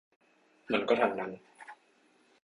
มันก็ทั้งนั้น